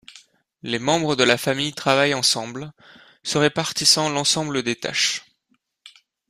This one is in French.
Les membres de la famille travaillent ensemble, se répartissant l'ensemble des taches.